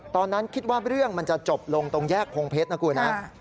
ตอนนั้นคิดว่าเรื่องมันจะจบลงตรงแยกพงเพชรนะคุณนะ